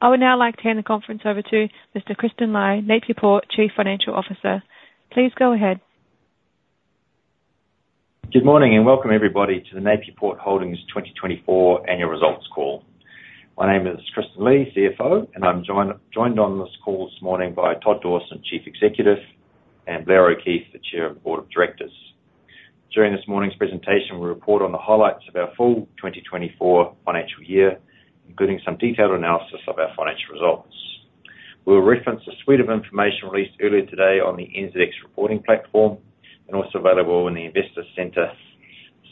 I would now like to hand the conference over to Mr. Kristen Lie, Napier Port Chief Financial Officer. Please go ahead. Good morning and welcome, everybody, to the Napier Port Holdings' 2024 Annual Results Call. My name is Kristen Lie, CFO, and I'm joined on this call this morning by Todd Dawson, Chief Executive, and Blair O'Keeffe, the Chair of the Board of Directors. During this morning's presentation, we'll report on the highlights of our full 2024 financial year, including some detailed analysis of our financial results. We'll reference the suite of information released earlier today on the NZX Reporting Platform and also available in the Investor Centre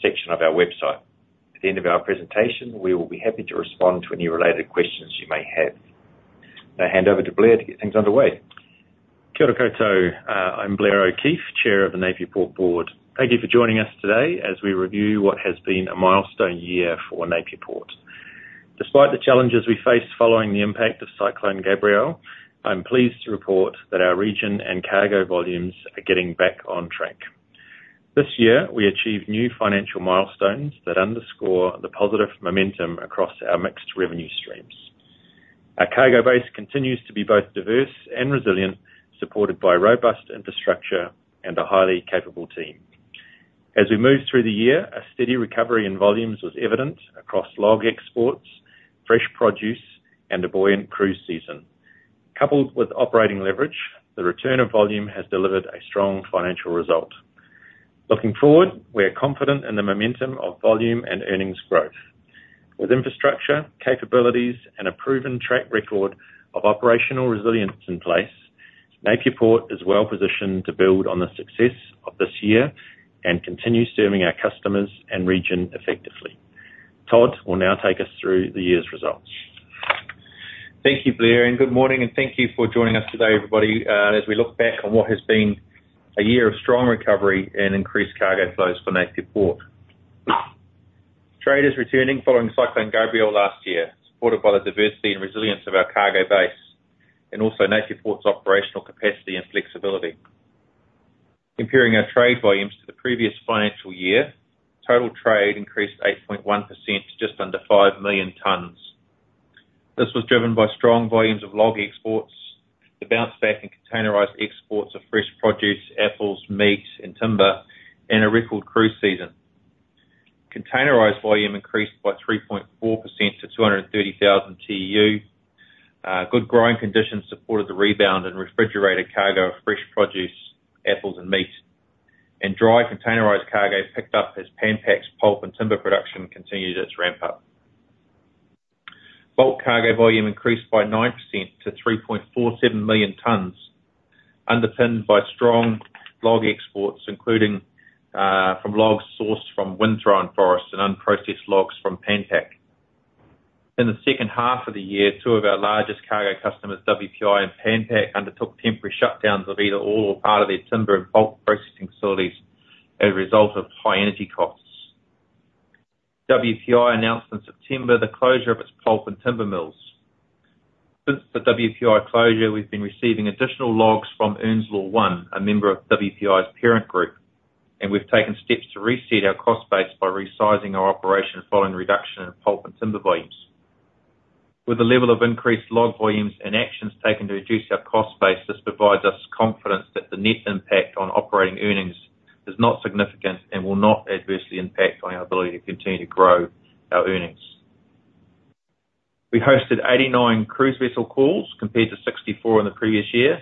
section of our website. At the end of our presentation, we will be happy to respond to any related questions you may have. I'll hand over to Blair to get things underway. Kia ora koutou. I'm Blair O'Keeffe, Chair of the Napier Port Board. Thank you for joining us today as we review what has been a milestone year for Napier Port. Despite the challenges we faced following the impact of Cyclone Gabrielle, I'm pleased to report that our region and cargo volumes are getting back on track. This year, we achieved new financial milestones that underscore the positive momentum across our mixed revenue streams. Our cargo base continues to be both diverse and resilient, supported by robust infrastructure and a highly capable team. As we moved through the year, a steady recovery in volumes was evident across log exports, fresh produce, and a buoyant cruise season. Coupled with operating leverage, the return of volume has delivered a strong financial result. Looking forward, we are confident in the momentum of volume and earnings growth. With infrastructure, capabilities, and a proven track record of operational resilience in place, Napier Port is well positioned to build on the success of this year and continue serving our customers and region effectively. Todd will now take us through the year's results. Thank you, Blair, and good morning, and thank you for joining us today, everybody, as we look back on what has been a year of strong recovery and increased cargo flows for Napier Port. Trade is returning following Cyclone Gabrielle last year, supported by the diversity and resilience of our cargo base and also Napier Port's operational capacity and flexibility. Comparing our trade volumes to the previous financial year, total trade increased 8.1% to just under 5 million tonnes. This was driven by strong volumes of log exports, the bounce-back in containerized exports of fresh produce, apples, meat, and timber, and a record cruise season. Containerized volume increased by 3.4% to 230,000 TEU. Good growing conditions supported the rebound in refrigerated cargo of fresh produce, apples, and meat, and dry containerized cargo picked up as Pan Pac's, pulp, and timber production continued its ramp-up. Bulk cargo volume increased by 9% to 3.47 million tons, underpinned by strong log exports, including logs sourced from windthrown forests and unprocessed logs from Pan Pac. In the second half of the year, two of our largest cargo customers, WPI and Pan Pac, undertook temporary shutdowns of either all or part of their timber and pulp processing facilities as a result of high energy costs. WPI announced in September the closure of its pulp and timber mills. Since the WPI closure, we've been receiving additional logs from Earnslaw One, a member of WPI's parent group, and we've taken steps to reset our cost base by resizing our operation following reduction in pulp and timber volumes. With the level of increased log volumes and actions taken to reduce our cost base, this provides us confidence that the net impact on operating earnings is not significant and will not adversely impact our ability to continue to grow our earnings. We hosted 89 cruise vessel calls compared to 64 in the previous year,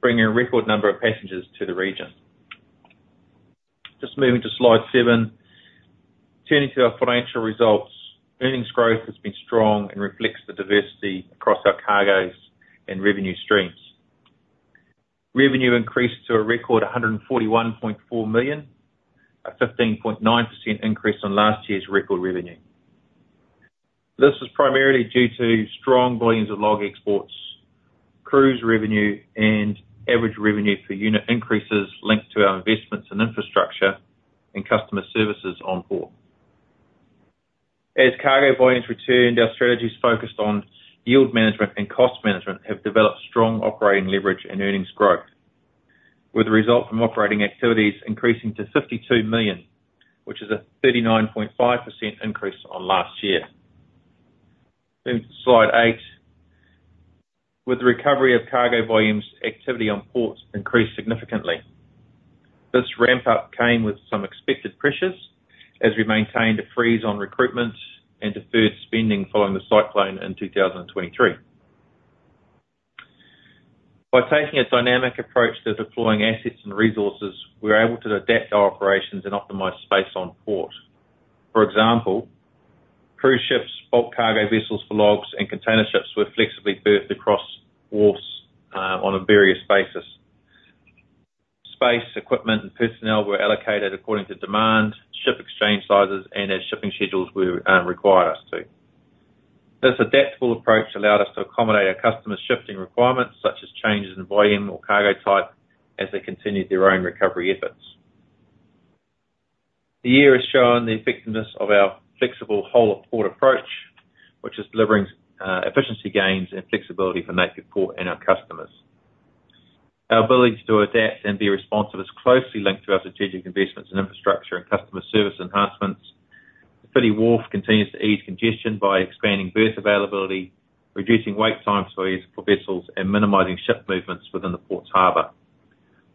bringing a record number of passengers to the region. Just moving to slide seven, turning to our financial results, earnings growth has been strong and reflects the diversity across our cargoes and revenue streams. Revenue increased to a record 141.4 million, a 15.9% increase on last year's record revenue. This was primarily due to strong volumes of log exports, cruise revenue, and average revenue per unit increases linked to our investments in infrastructure and customer services on port. As cargo volumes returned, our strategies focused on yield management and cost management have developed strong operating leverage and earnings growth, with the result from operating activities increasing to 52 million, which is a 39.5% increase on last year. Moving to slide 8, with the recovery of cargo volumes, activity on ports increased significantly. This ramp-up came with some expected pressures as we maintained a freeze on recruitment and deferred spending following the cyclone in 2023. By taking a dynamic approach to deploying assets and resources, we were able to adapt our operations and optimize space on port. For example, cruise ships, bulk cargo vessels for logs, and container ships were flexibly berthed across wharves on a various basis. Space, equipment, and personnel were allocated according to demand, ship exchange sizes, and as shipping schedules required us to. This adaptable approach allowed us to accommodate our customers' shifting requirements, such as changes in volume or cargo type, as they continued their own recovery efforts. The year has shown the effectiveness of our flexible whole-of-port approach, which is delivering efficiency gains and flexibility for Napier Port and our customers. Our ability to adapt and be responsive is closely linked to our strategic investments in infrastructure and customer service enhancements. Te Whiti Wharf continues to ease congestion by expanding berth availability, reducing wait times for vessels, and minimizing ship movements within the port's harbor.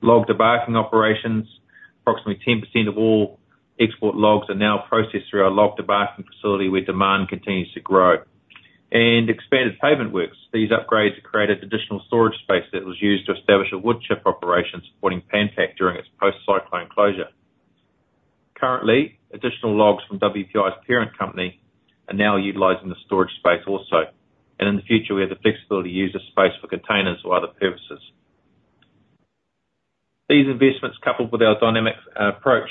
Log debarking operations, approximately 10% of all export logs, are now processed through our log debarking facility where demand continues to grow, and expanded pavement works. These upgrades have created additional storage space that was used to establish a woodchip operation supporting Pan Pac during its post-cyclone closure. Currently, additional logs from WPI's parent company are now utilizing the storage space also, and in the future, we have the flexibility to use the space for containers or other purposes. These investments, coupled with our dynamic approach,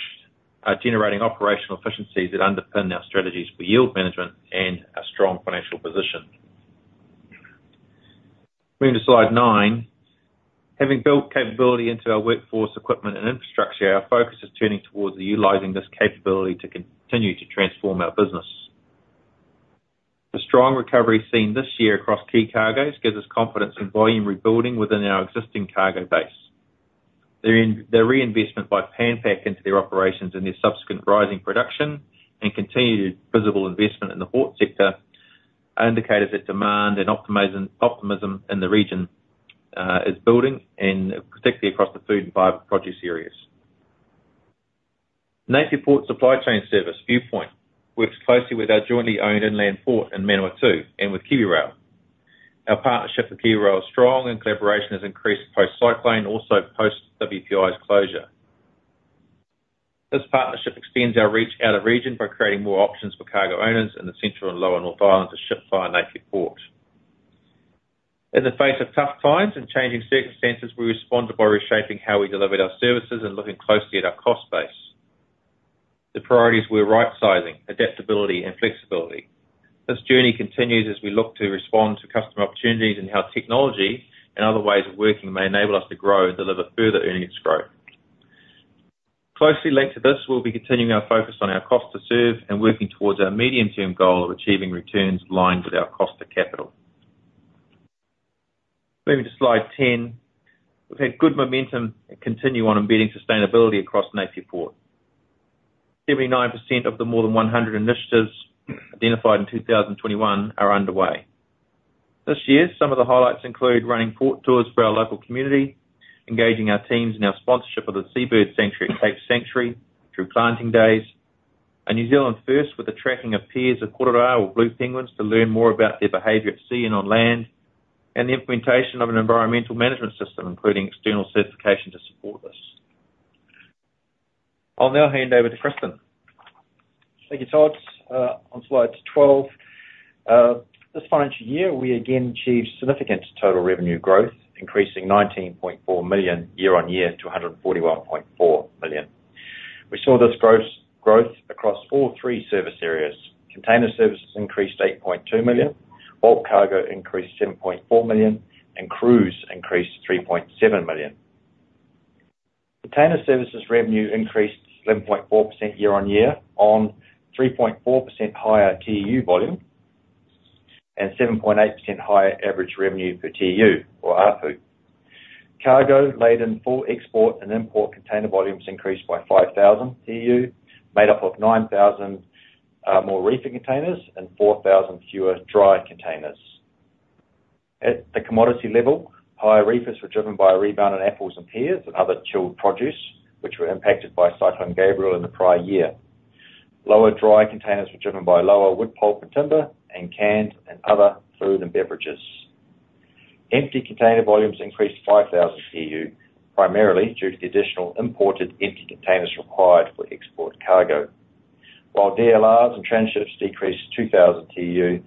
are generating operational efficiencies that underpin our strategies for yield management and our strong financial position. Moving to slide nine, having built capability into our workforce, equipment, and infrastructure, our focus is turning towards utilizing this capability to continue to transform our business. The strong recovery seen this year across key cargoes gives us confidence in volume rebuilding within our existing cargo base. The reinvestment by Pan Pac into their operations and their subsequent rising production and continued visible investment in the port sector are indicators that demand and optimism in the region is building, and particularly across the food and fiber produce areas. Napier Port Supply Chain Service, Viewpoint, works closely with our jointly owned Inland Port in Manawatū and with KiwiRail. Our partnership with KiwiRail is strong, and collaboration has increased post-cyclone, also post-WPI's closure. This partnership extends our reach out of region by creating more options for cargo owners in the central and lower North Island to ship via Napier Port. In the face of tough times and changing circumstances, we responded by reshaping how we delivered our services and looking closely at our cost base. The priorities were right-sizing, adaptability, and flexibility. This journey continues as we look to respond to customer opportunities and how technology and other ways of working may enable us to grow and deliver further earnings growth. Closely linked to this, we'll be continuing our focus on our cost to serve and working towards our medium-term goal of achieving returns aligned with our cost to capital. Moving to slide ten, we've had good momentum and continue on embedding sustainability across Napier Port. 79% of the more than 100 initiatives identified in 2021 are underway. This year, some of the highlights include running port tours for our local community, engaging our teams in our sponsorship of the Seabird Sanctuary at Cape Sanctuary through planting days, a New Zealand first with the tracking of pairs of Kororā or blue penguins to learn more about their behavior at sea and on land, and the implementation of an environmental management system, including external certification to support this. I'll now hand over to Kristen. Thank you, Todd. On slide twelve, this financial year, we again achieved significant total revenue growth, increasing 19.4 million year-on-year to 141.4 million. We saw this growth across all three service areas. Container services increased 8.2 million, bulk cargo increased 7.4 million, and cruise increased 3.7 million. Container services revenue increased 11.4% year-on-year on 3.4% higher TEU volume and 7.8% higher average revenue per TEU, or ARPU. Cargo laden for export and import container volumes increased by 5,000 TEU, made up of 9,000 more reefer containers and 4,000 fewer dry containers. At the commodity level, higher reefers were driven by a rebound in apples and pears and other chilled produce, which were impacted by Cyclone Gabrielle in the prior year. Lower dry containers were driven by lower wood, pulp, and timber, and canned and other food and beverages. Empty container volumes increased 5,000 TEU, primarily due to the additional imported empty containers required for export cargo, while DLRs and transships decreased 2,000 TEU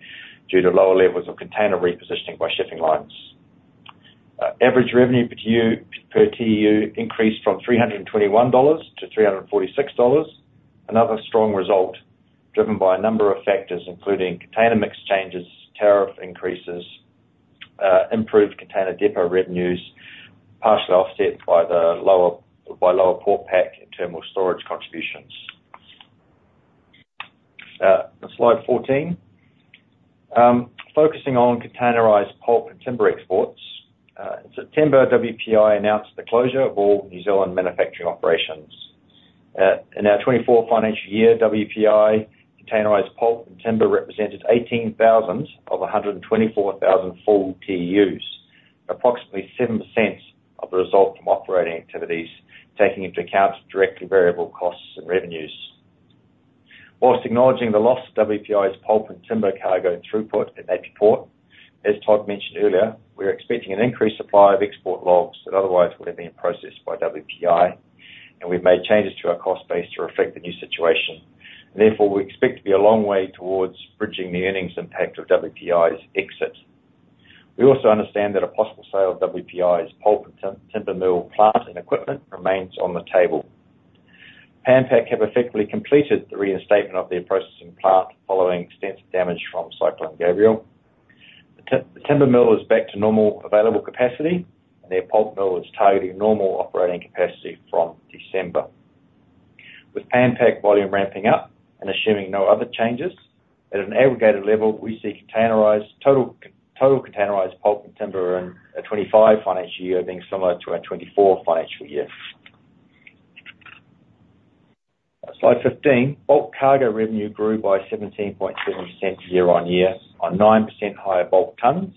due to lower levels of container repositioning by shipping lines. Average revenue per TEU increased from NZD 321 to NZD 346, another strong result driven by a number of factors, including container mix changes, tariff increases, improved container depot revenues, partially offset by lower Port Pack and terminal storage contributions. On slide fourteen, focusing on containerized pulp and timber exports, in September, WPI announced the closure of all New Zealand manufacturing operations. In our 24 financial year, WPI containerized pulp and timber represented 18,000 of 124,000 full TEUs, approximately 7% of the result from operating activities, taking into account directly variable costs and revenues. While acknowledging the loss of WPI's pulp and timber cargo throughput at Napier Port, as Todd mentioned earlier, we're expecting an increased supply of export logs that otherwise would have been processed by WPI, and we've made changes to our cost base to reflect the new situation. Therefore, we expect to be a long way towards bridging the earnings impact of WPI's exit. We also understand that a possible sale of WPI's pulp and timber mill plant and equipment remains on the table. Pan Pac have effectively completed the reinstatement of their processing plant following extensive damage from Cyclone Gabrielle. The timber mill is back to normal available capacity, and their pulp mill is targeting normal operating capacity from December. With Port Pack volume ramping up and assuming no other changes, at an aggregated level, we see total containerized pulp and timber in a 2025 financial year being similar to our 2024 financial year. Slide 15, bulk cargo revenue grew by 17.7% year-on-year, on 9% higher bulk tons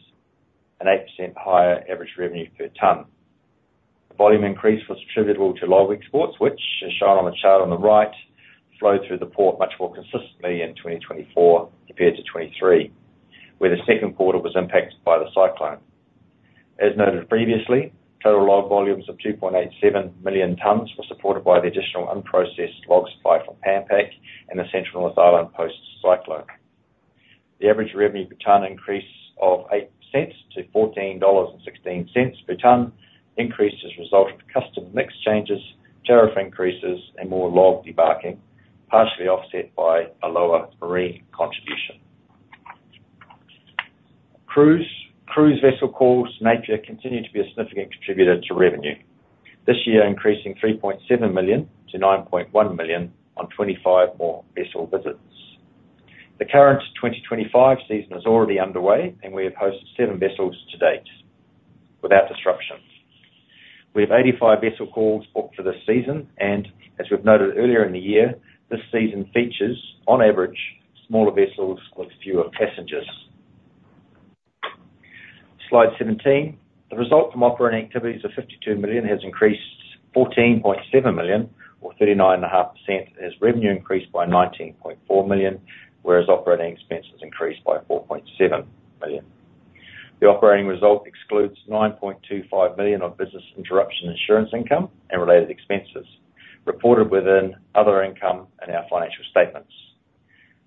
and 8% higher average revenue per ton. The volume increase was attributable to log exports, which, as shown on the chart on the right, flowed through the port much more consistently in 2024 compared to 2023, where the second quarter was impacted by the cyclone. As noted previously, total log volumes of 2.87 million tons were supported by the additional unprocessed log supply from Pan Pac and the central North Island post-cyclone. The average revenue per tonne increase of 8% to 14.16 dollars per tonne increased as a result of customer mix changes, tariff increases, and more log debarking, partially offset by a lower marine contribution. Cruise vessel calls to Napier continue to be a significant contributor to revenue, this year increasing 3.7 million to 9.1 million on 25 more vessel visits. The current 2025 season is already underway, and we have hosted seven vessels to date without disruption. We have 85 vessel calls booked for this season, and as we've noted earlier in the year, this season features, on average, smaller vessels with fewer passengers. Slide seventeen, the result from operating activities of 52 million has increased 14.7 million, or 39.5%, as revenue increased by 19.4 million, whereas operating expenses increased by 4.7 million. The operating result excludes 9.25 million of business interruption insurance income and related expenses reported within other income in our financial statements.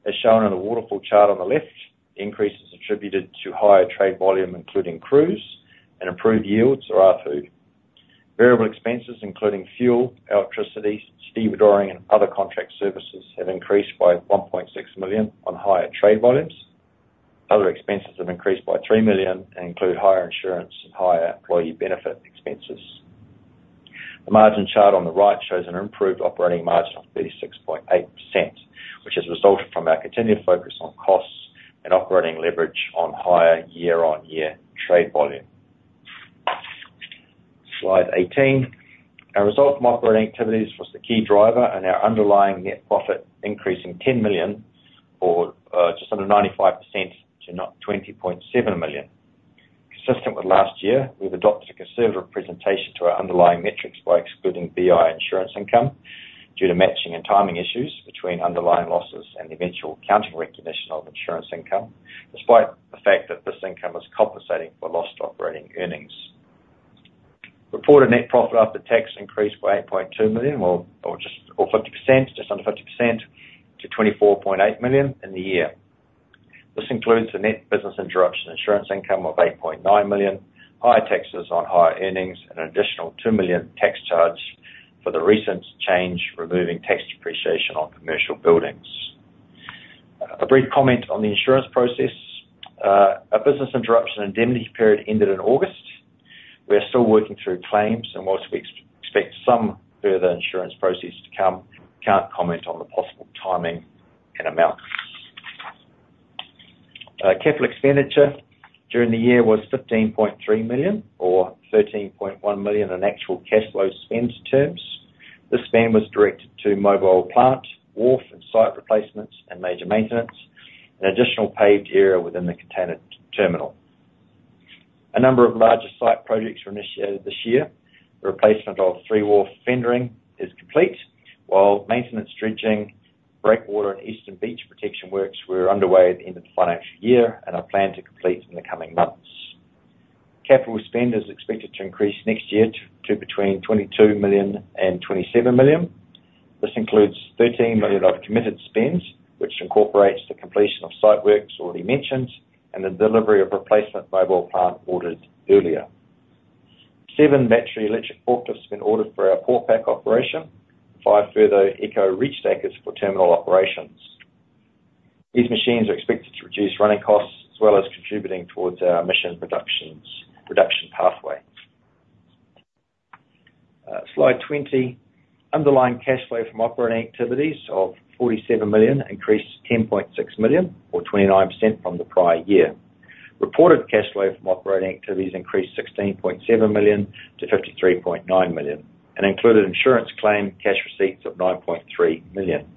As shown in the waterfall chart on the left, increase is attributed to higher trade volume, including cruise and improved yields, or ARPU. Variable expenses, including fuel, electricity, stevedoring, and other contract services, have increased by 1.6 million on higher trade volumes. Other expenses have increased by 3 million and include higher insurance and higher employee benefit expenses. The margin chart on the right shows an improved operating margin of 36.8%, which has resulted from our continued focus on costs and operating leverage on higher year-on-year trade volume. Slide 18, our result from operating activities was the key driver, and our underlying net profit increased 10 million, or just under 95%, to 20.7 million. Consistent with last year, we've adopted a conservative presentation to our underlying metrics by excluding BI insurance income due to matching and timing issues between underlying losses and eventual accounting recognition of insurance income, despite the fact that this income is compensating for lost operating earnings. Reported net profit after tax increased by 8.2 million, or 50%, just under 50%, to 24.8 million in the year. This includes the net business interruption insurance income of 8.9 million, higher taxes on higher earnings, and an additional 2 million tax charge for the recent change removing tax depreciation on commercial buildings. A brief comment on the insurance process. Our business interruption indemnity period ended in August. We are still working through claims, and while we expect some further insurance process to come, we can't comment on the possible timing and amounts. Capital expenditure during the year was 15.3 million, or 13.1 million in actual cash flow spend terms. This spend was directed to mobile plant, wharf, and site replacements and major maintenance, and additional paved area within the container terminal. A number of larger site projects were initiated this year. The replacement of three wharf fendering is complete, while maintenance dredging, breakwater, and eastern beach protection works were underway at the end of the financial year and are planned to complete in the coming months. Capital spend is expected to increase next year to between 22 million and 27 million. This includes 13 million of committed spends, which incorporates the completion of site works already mentioned and the delivery of replacement mobile plant ordered earlier. Seven battery electric forklifts have been ordered for our Port Pack operation, five further Eco reach stackers for terminal operations. These machines are expected to reduce running costs as well as contributing towards our emission reduction pathway. Slide 20, underlying cash flow from operating activities of 47 million increased 10.6 million, or 29% from the prior year. Reported cash flow from operating activities increased 16.7 million to 53.9 million and included insurance claim cash receipts of 9.3 million.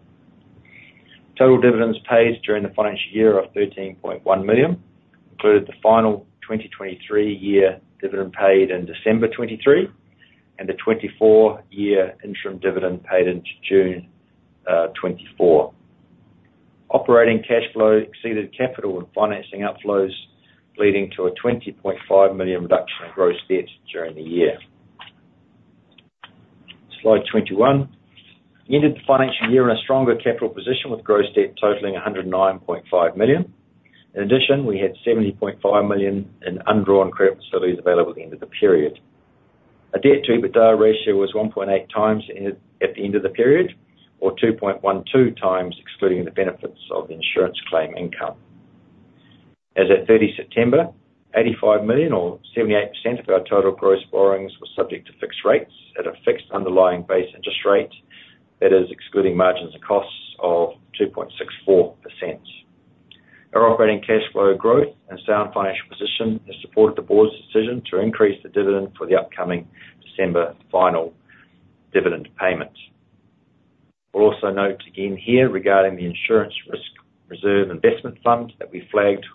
Total dividends paid during the financial year are 13.1 million, including the final 2023 year dividend paid in December 2023 and the 2024 year interim dividend paid in June 2024. Operating cash flow exceeded capital and financing outflows, leading to a 20.5 million reduction in gross debt during the year. Slide 21, we ended the financial year in a stronger capital position with gross debt totaling 109.5 million. In addition, we had 70.5 million in undrawn credit facilities available at the end of the period. A debt-to-EBITDA ratio was 1.8x at the end of the period, or 2.12x excluding the benefits of insurance claim income. As of 30 September, 85 million, or 78% of our total gross borrowings, were subject to fixed rates at a fixed underlying base interest rate, that is, excluding margins and costs, of 2.64%. Our operating cash flow growth and sound financial position have supported the board's decision to increase the dividend for the upcoming December final dividend payment. We'll also note again here regarding the insurance risk reserve investment fund that we flagged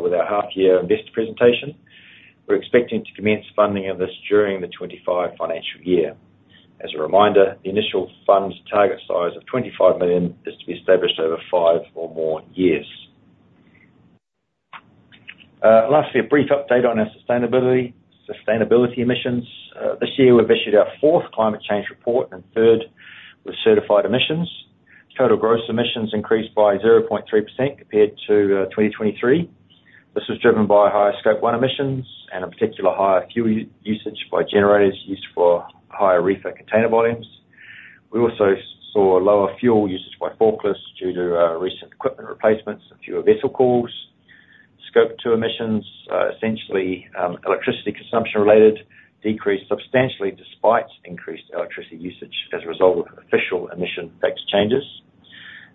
with our half-year investor presentation. We're expecting to commence funding of this during the 2025 financial year. As a reminder, the initial fund target size of 25 million is to be established over five or more years. Lastly, a brief update on our sustainability emissions. This year, we've issued our fourth climate change report and third with certified emissions. Total gross emissions increased by 0.3% compared to 2023. This was driven by higher Scope 1 emissions and in particular, higher fuel usage by generators used for higher reefer container volumes. We also saw lower fuel usage by forklifts due to recent equipment replacements and fewer vessel calls. Scope 2 emissions, essentially electricity consumption related, decreased substantially despite increased electricity usage as a result of official emission tax changes.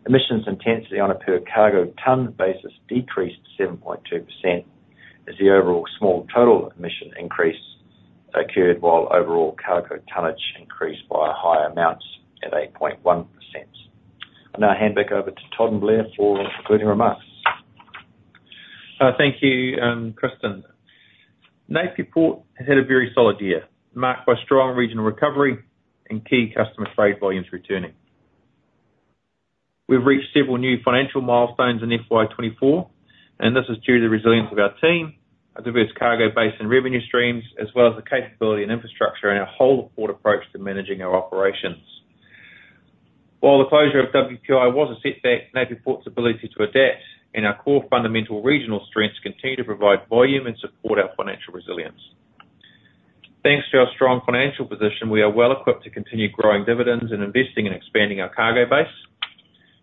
Emissions intensity on a per cargo tonne basis decreased 7.2% as the overall small total emission increase occurred, while overall cargo tonnage increased by higher amounts at 8.1%. I'll now hand back over to Todd and Blair for concluding remarks. Thank you, Kristen. Napier Port has had a very solid year, marked by strong regional recovery and key customer trade volumes returning. We've reached several new financial milestones in FY 2024, and this is due to the resilience of our team, our diverse cargo base and revenue streams, as well as the capability and infrastructure in our whole port approach to managing our operations. While the closure of WPI was a setback, Napier Port's ability to adapt and our core fundamental regional strengths continue to provide volume and support our financial resilience. Thanks to our strong financial position, we are well equipped to continue growing dividends and investing and expanding our cargo base,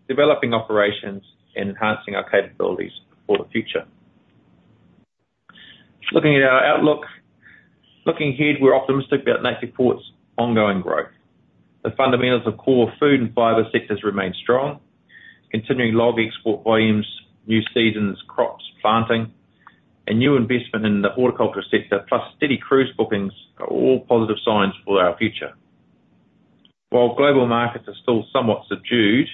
developing operations, and enhancing our capabilities for the future. Looking at our outlook, looking ahead, we're optimistic about Napier Port's ongoing growth. The fundamentals of core food and fiber sectors remain strong. Continuing log export volumes, new seasons, crops, planting, and new investment in the horticulture sector, plus steady cruise bookings, are all positive signs for our future. While global markets are still somewhat subdued,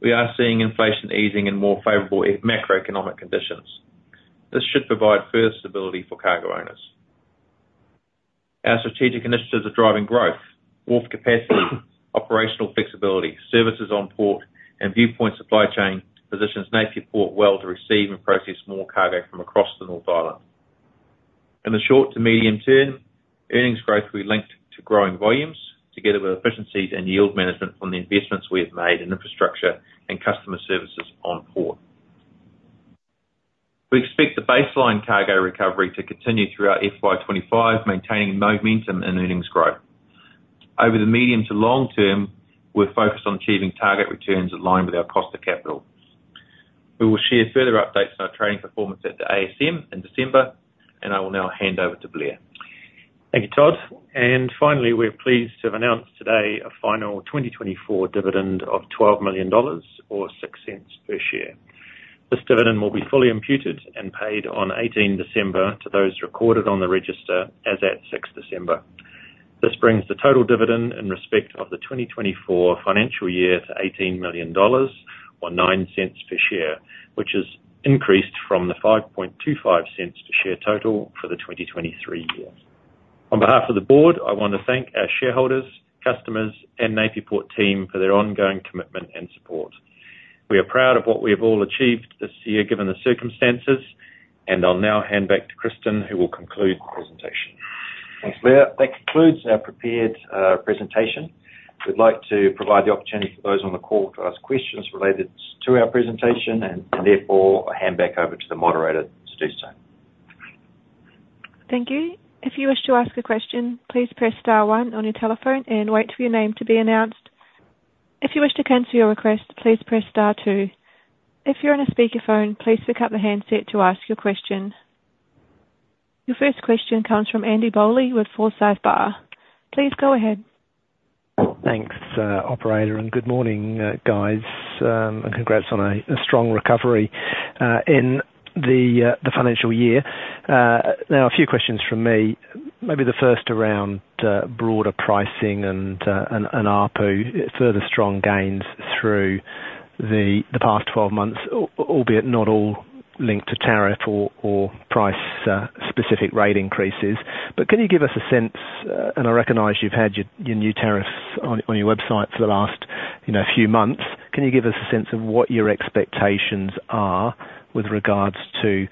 we are seeing inflation easing in more favorable macroeconomic conditions. This should provide further stability for cargo owners. Our strategic initiatives are driving growth. Wharf capacity, operational flexibility, services on port, and Viewpoint Supply Chain positions Napier Port well to receive and process more cargo from across the North Island. In the short to medium term, earnings growth will be linked to growing volumes, together with efficiencies and yield management from the investments we have made in infrastructure and customer services on port. We expect the baseline cargo recovery to continue throughout FY 2025, maintaining momentum and earnings growth. Over the medium to long term, we're focused on achieving target returns aligned with our cost of capital. We will share further updates on our trading performance at the ASM in December, and I will now hand over to Blair. Thank you, Todd. And finally, we're pleased to have announced today a final 2024 dividend of 12 million dollars, or 0.06 per share. This dividend will be fully imputed and paid on 18 December to those recorded on the register as at 6 December. This brings the total dividend in respect of the 2024 financial year to 18 million dollars, or 0.09 per share, which is increased from the 0.0525 per share total for the 2023 year. On behalf of the board, I want to thank our shareholders, customers, and Napier Port team for their ongoing commitment and support. We are proud of what we have all achieved this year given the circumstances, and I'll now hand back to Kristen, who will conclude the presentation. Thanks, Blair. That concludes our prepared presentation. We'd like to provide the opportunity for those on the call to ask questions related to our presentation and therefore hand back over to the moderator to do so. Thank you. If you wish to ask a question, please press star one on your telephone and wait for your name to be announced. If you wish to cancel your request, please press star two. If you're on a speakerphone, please pick up the handset to ask your question. Your first question comes from Andy Bowley with Forsyth Barr. Please go ahead. Thanks, operator, and good morning, guys, and congrats on a strong recovery in the financial year. Now, a few questions from me, maybe the first around broader pricing and ARPU, further strong gains through the past 12 months, albeit not all linked to tariff or price-specific rate increases. But can you give us a sense? And I recognize you've had your new tariffs on your website for the last few months. Can you give us a sense of what your expectations are with regards to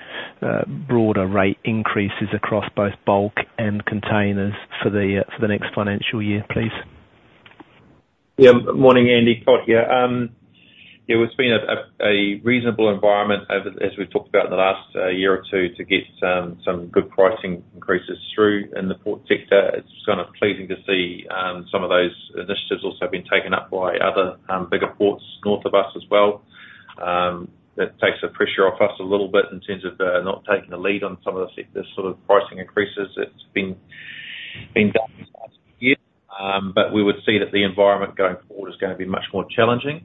broader rate increases across both bulk and containers for the next financial year, please? Yeah, morning, Andy. Todd here. There was been a reasonable environment, as we've talked about in the last year or two, to get some good pricing increases through in the port sector. It's kind of pleasing to see some of those initiatives also being taken up by other bigger ports north of us as well. It takes the pressure off us a little bit in terms of not taking the lead on some of the sort of pricing increases that have been done in the past year. But we would see that the environment going forward is going to be much more challenging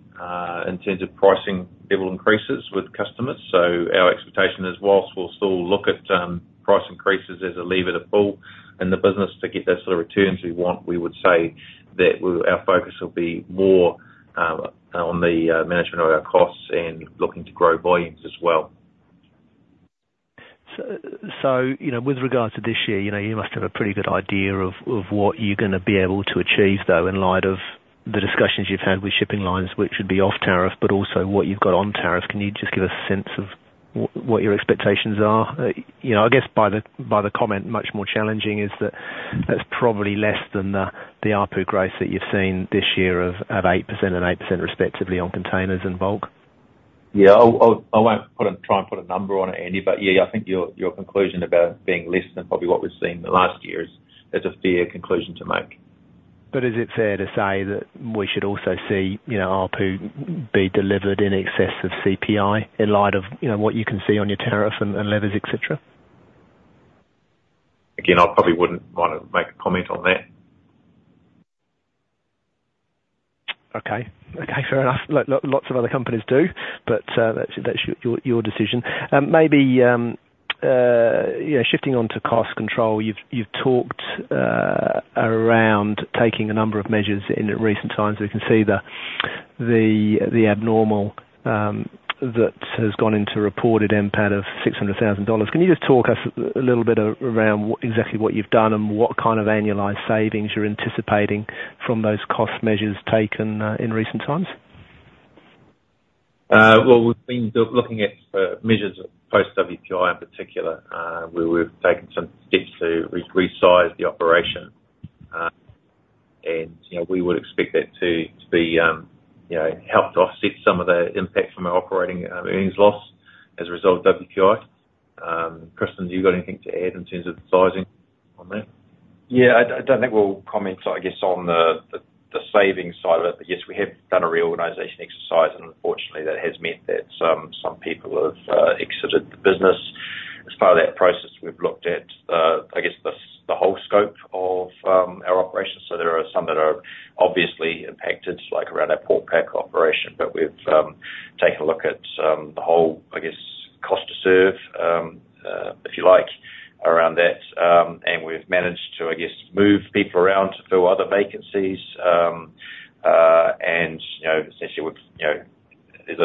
in terms of pricing level increases with customers. So our expectation is, whilst we'll still look at price increases as a lever to pull in the business to get those sort of returns we want, we would say that our focus will be more on the management of our costs and looking to grow volumes as well. So with regards to this year, you must have a pretty good idea of what you're going to be able to achieve, though, in light of the discussions you've had with shipping lines, which would be off tariff, but also what you've got on tariff. Can you just give us a sense of what your expectations are? I guess by the comment, much more challenging is that that's probably less than the ARPU growth that you've seen this year of 8% and 8%, respectively, on containers and bulk. Yeah, I won't try and put a number on it, Andy, but yeah, I think your conclusion about being less than probably what we've seen in the last year is a fair conclusion to make. But is it fair to say that we should also see ARPU be delivered in excess of CPI in light of what you can see on your tariff and levers, etc.? Again, I probably wouldn't want to make a comment on that. Okay. Okay, fair enough. Lots of other companies do, but that's your decision. Maybe shifting on to cost control, you've talked around taking a number of measures in recent times. We can see the abnormal that has gone into reported MPAT of 600,000 dollars. Can you just talk us a little bit around exactly what you've done and what kind of annualized savings you're anticipating from those cost measures taken in recent times? We've been looking at measures post-WPI in particular. We've taken some steps to resize the operation, and we would expect that to be helped offset some of the impact from our operating earnings loss as a result of WPI. Kristen, do you got anything to add in terms of sizing on that? Yeah, I don't think we'll comment, I guess, on the savings side of it, but yes, we have done a reorganization exercise, and unfortunately, that has meant that some people have exited the business. As part of that process, we've looked at, I guess, the whole scope of our operation. So there are some that are obviously impacted, like around our Port Pack operation, but we've taken a look at the whole, I guess, cost to serve, if you like, around that. And we've managed to, I guess, move people around to fill other vacancies. And essentially, there's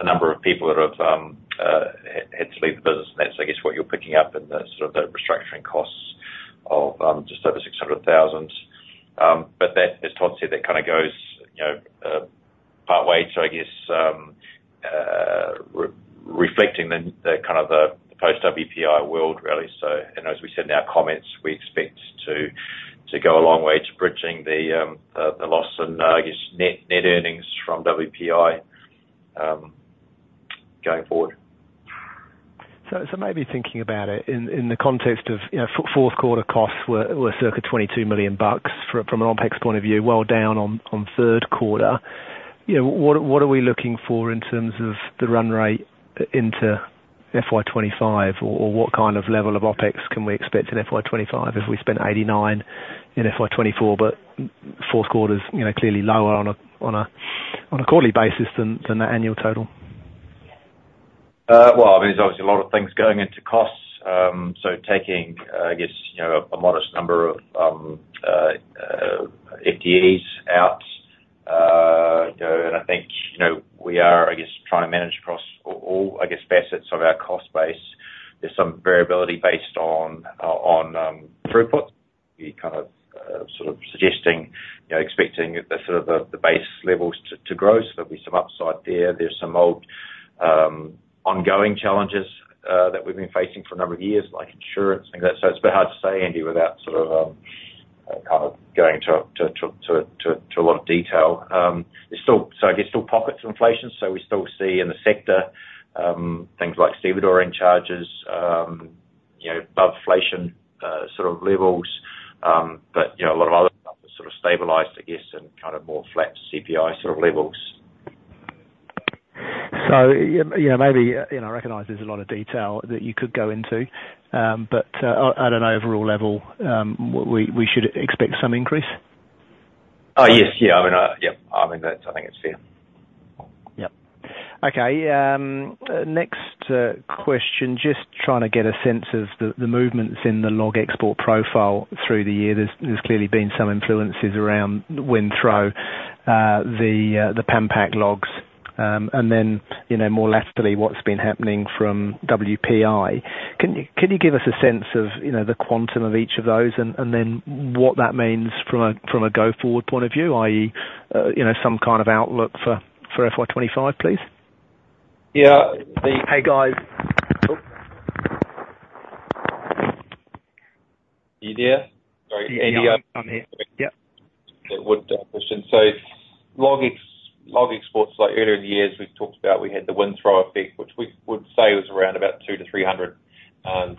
a number of people that have had to leave the business, and that's, I guess, what you're picking up in the sort of the restructuring costs of just over 600,000. But as Todd said, that kind of goes partway to, I guess, reflecting the kind of the post-WPI world, really. And as we said in our comments, we expect to go a long way to bridging the loss and, I guess, net earnings from WPI going forward. So maybe thinking about it in the context of fourth quarter costs were circa 22 million bucks from an OpEx point of view, well down on third quarter. What are we looking for in terms of the run rate into FY 2025, or what kind of level of OpEx can we expect in FY 2025 if we spent 89 million in FY 2024, but fourth quarter is clearly lower on a quarterly basis than the annual total? Well, I mean, there's obviously a lot of things going into costs. So taking, I guess, a modest number of FDEs out, and I think we are, I guess, trying to manage across all, I guess, facets of our cost base. There's some variability based on throughput. We're kind of sort of suggesting, expecting sort of the base levels to grow, so there'll be some upside there. There's some old ongoing challenges that we've been facing for a number of years, like insurance and that. So it's a bit hard to say, Andy, without sort of kind of going to a lot of detail. So I guess still pockets of inflation, so we still see in the sector things like stevedore and charges above inflation sort of levels, but a lot of other stuff has sort of stabilized, I guess, and kind of more flat CPI sort of levels. So maybe I recognize there's a lot of detail that you could go into, but at an overall level, we should expect some increase? Oh, yes. Yeah. I mean, yeah, I think that's fair. Yep. Okay. Next question, just trying to get a sense of the movements in the log export profile through the year. There's clearly been some influences around Windthrow, the Pan Pac logs, and then more laterally what's been happening from WPI. Can you give us a sense of the quantum of each of those and then what that means from a go-forward point of view, i.e., some kind of outlook for FY 2025, please? Yeah. Hey, guys. Are you there? Sorry. Andy. I'm here. Yep. Good morning, Kristen. So log exports, like earlier in the years, we've talked about we had the Windthrow effect, which we would say was around about 200,000 to 300,000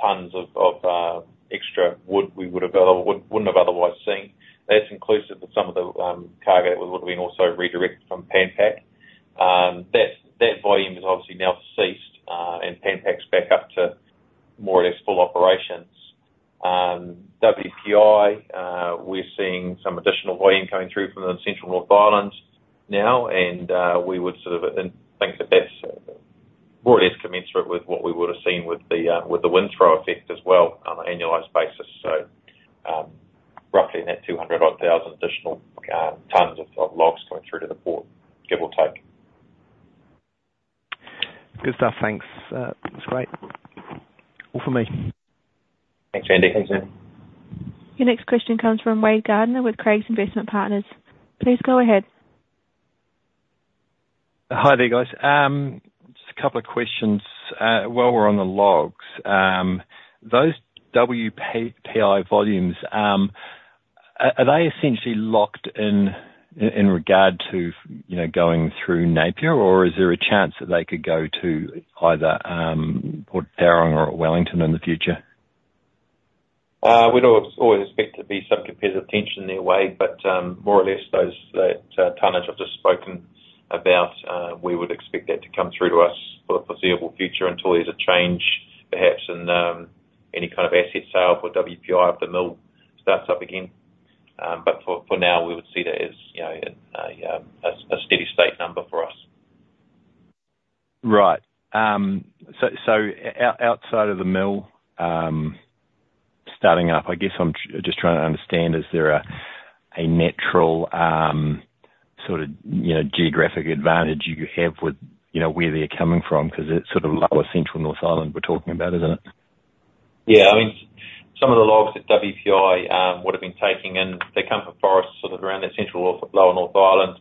tons of extra wood we would have otherwise seen. That's inclusive of some of the cargo that would have been also redirected from Pan Pac. That volume has obviously now ceased, and Pan Pac's back up to more or less full operations. WPI, we're seeing some additional volume coming through from the central North Island now, and we would sort of think that that's more or less commensurate with what we would have seen with the Windthrow effect as well on an annualized basis. So roughly in that 200,000 additional tons of logs coming through to the port, give or take. Good stuff. Thanks. That's great. All for me. Thanks, Andy. Thanks, Andy. Your next question comes from Wade Gardiner with Craigs Investment Partners. Please go ahead. Hi, there guys. Just a couple of questions while we're on the logs. Those WPI volumes, are they essentially locked in regard to going through Napier, or is there a chance that they could go to either Port Taranaki or Wellington in the future? We'd always expect there'd be some competitive tension there, anyway, but more or less that tonnage I've just spoken about, we would expect that to come through to us for the foreseeable future until there's a change, perhaps in any kind of asset sale for WPI if the mill starts up again. But for now, we would see that as a steady-state number for us. Right, so outside of the mill starting up, I guess I'm just trying to understand, is there a natural sort of geographic advantage you have with where they're coming from? Because it's sort of lower central North Island we're talking about, isn't it? Yeah. I mean, some of the logs that WPI would have been taking, and they come from forests sort of around that central lower North Island.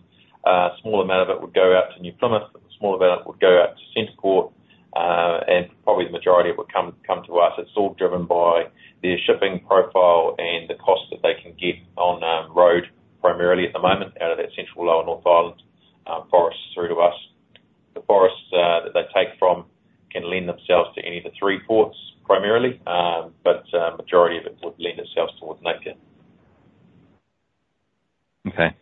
A small amount of it would go out to New Plymouth, a small amount of it would go out to CentrePort, and probably the majority of it would come to us. It's all driven by their shipping profile and the cost that they can get on road primarily at the moment out of that central lower North Island forest through to us. The forests that they take from can lend themselves to any of the three ports primarily, but the majority of it would lend itself towards Napier. Okay.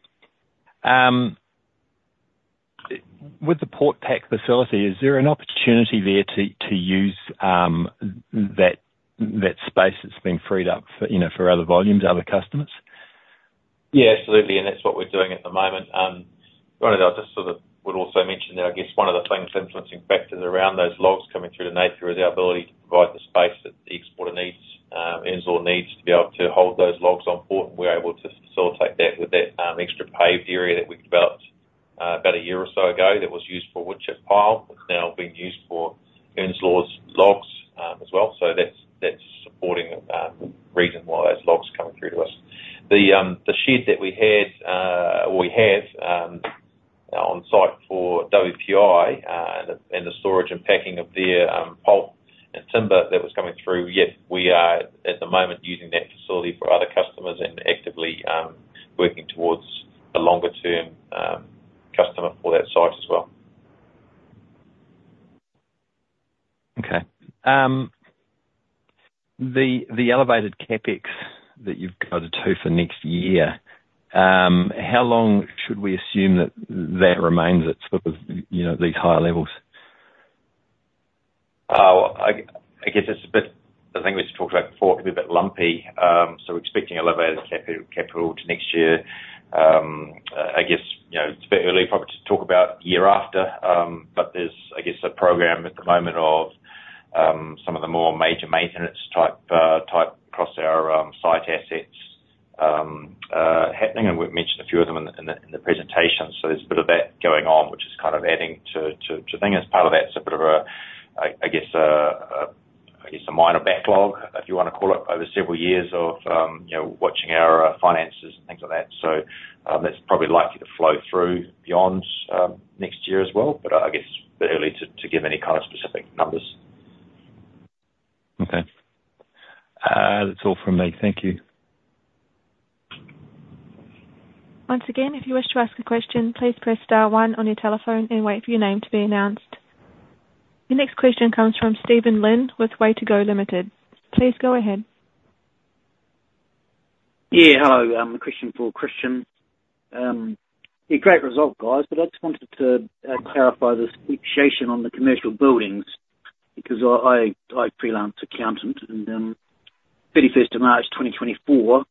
With the Port Pack facility, is there an opportunity there to use that space that's been freed up for other volumes, other customers? Yeah, absolutely, and that's what we're doing at the moment. I just sort of would also mention that, I guess, one of the things, influencing factors around those logs coming through to Napier, is our ability to provide the space that the exporter needs, Earnslaw needs, to be able to hold those logs on port. And we're able to facilitate that with that extra paved area that we developed about a year or so ago that was used for woodchip pile. It's now being used for Earnslaw's logs as well. So that's a supporting reason why those logs are coming through to us. The shed that we had or we have on site for WPI and the storage and packing of their pulp and timber that was coming through, yeah, we are at the moment using that facility for other customers and actively working towards a longer-term customer for that site as well. Okay. The elevated CapEx that you've got to do for next year, how long should we assume that that remains at these higher levels? I guess it's a bit the thing we talked about before could be a bit lumpy. So we're expecting elevated capital to next year. I guess it's a bit early probably to talk about year after, but there's, I guess, a program at the moment of some of the more major maintenance type across our site assets happening. And we've mentioned a few of them in the presentation. So there's a bit of that going on, which is kind of adding to the thing. As part of that, it's a bit of a, I guess, a minor backlog, if you want to call it, over several years of watching our finances and things like that. So that's probably likely to flow through beyond next year as well, but I guess it's a bit early to give any kind of specific numbers. Okay. That's all from me. Thank you. Once again, if you wish to ask a question, please press star one on your telephone and wait for your name to be announced. Your next question comes from Stephen Lin with Way2Go Limited. Please go ahead. Yeah. Hello. I have a question for Kristen. Yeah, great result, guys, but I just wanted to clarify the depreciation on the commercial buildings because I'm a freelance accountant, and 31st of March 2024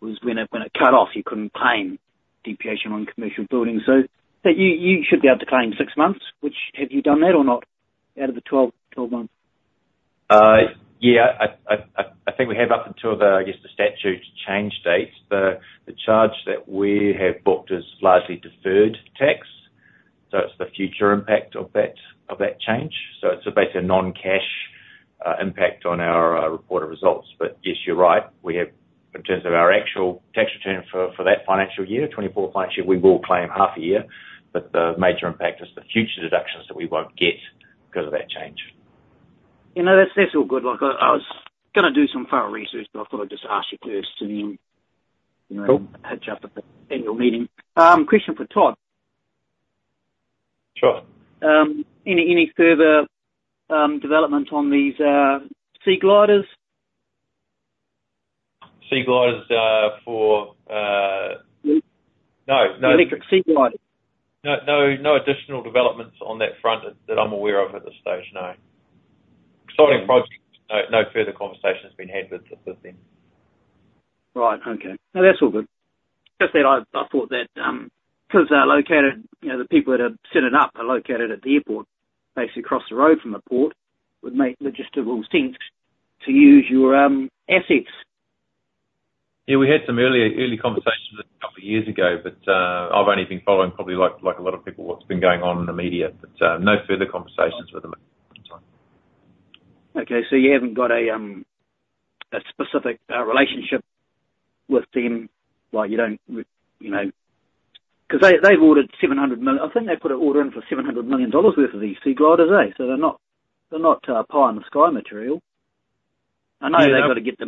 was when it cut off. You couldn't claim depreciation on commercial buildings. So you should be able to claim six months. Have you done that or not out of the 12 months? Yeah. I think we have up until the, I guess, the statute change date. The charge that we have booked is largely deferred tax. So it's the future impact of that change. So it's basically a non-cash impact on our reported results. But yes, you're right. In terms of our actual tax return for that financial year, 2024 financial year, we will claim half a year, but the major impact is the future deductions that we won't get because of that change. That's all good. I was going to do some further research, but I thought I'd just ask you first and then catch up at the annual meeting. Question for Todd. Sure. Any further development on these Seagliders? Seagliders? No, no. Electric Seagliders. No additional developments on that front that I'm aware of at this stage. No. Exciting project. No further conversation has been had with them. Right. Okay. No, that's all good. Just that I thought that because the people that have set it up are located at the airport, basically across the road from the port, would make logistical sense to use your assets. Yeah. We had some early conversations a couple of years ago, but I've only been following probably like a lot of people what's been going on in the media. But no further conversations with them at the moment. Okay. So you haven't got a specific relationship with them? You don't because they've ordered 700 million. I think they put an order in for 700 million dollars worth of these seagliders, so they're not pie-in-the-sky material. I know they've got to get the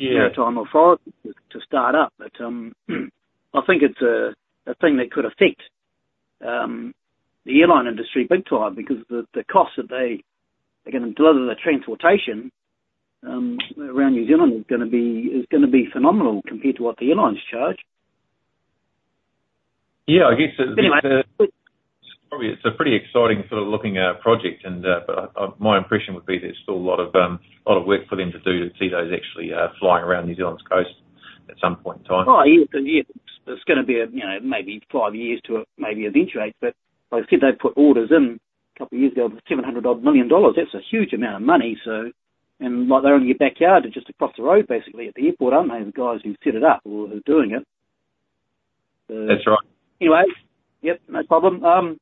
maritime authority to start up, but I think it's a thing that could affect the airline industry big time because the cost that they're going to deliver the transportation around New Zealand is going to be phenomenal compared to what the airlines charge. Yeah. I guess it's a pretty exciting sort of looking project, but my impression would be there's still a lot of work for them to do to see those actually flying around New Zealand's coast at some point in time. Oh, yeah. It's going to be maybe five years to maybe eventuate. But like I said, they put orders in a couple of years ago for 700 million dollars. That's a huge amount of money. And they're only in your backyard. They're just across the road basically at the airport. I don't know the guys who set it up or who are doing it. That's right. Anyway, yep. No problem.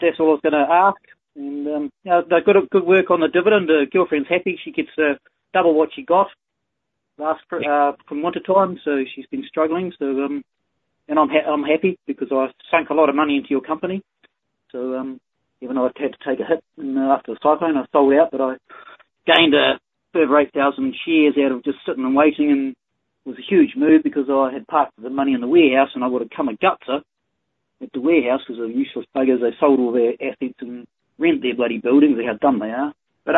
That's all I was going to ask. And good work on the dividend. Girlfriend's happy. She gets double what she got from Winton. So she's been struggling. And I'm happy because I sunk a lot of money into your company. So even though I've had to take a hit after the cyclone, I sold out, but I gained a further 8,000 shares out of just sitting and waiting. And it was a huge move because I had parked the money in The Warehouse, and I would have come and got it at The Warehouse because the useless buggers, they sold all their assets and rent their bloody buildings. That's how dumb they are. But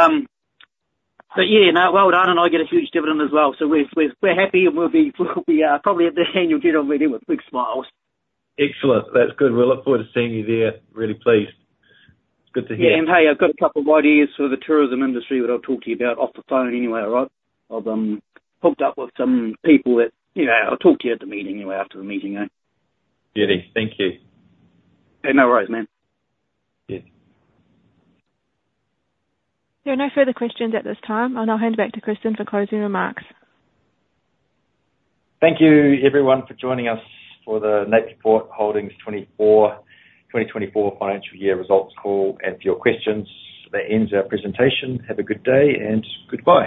yeah, no, well done. And I get a huge dividend as well. So we're happy, and we'll be probably at the annual general meeting with big smiles. Excellent. That's good. We'll look forward to seeing you there. Really pleased. It's good to hear. Yeah. And hey, I've got a couple of ideas for the tourism industry that I'll talk to you about off the phone anyway, all right? I've hooked up with some people that I'll talk to you at the meeting anyway after the meeting. Yeah. Thank you. No worries, man. Yeah. There are no further questions at this time. I'll now hand back to Kristen for closing remarks. Thank you, everyone, for joining us for the Napier Port Holdings 2024 financial year results call and for your questions. That ends our presentation. Have a good day and good work.